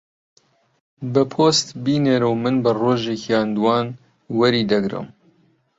بە پۆست بینێرە و من بە ڕۆژێک یان دووان وەری دەگرم.